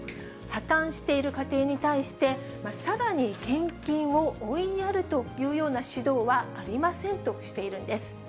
破綻している家庭に対して、さらに献金を追いやるというような指導はありませんとしているんです。